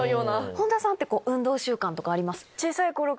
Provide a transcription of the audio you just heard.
本田さんって運動習慣とかありますか？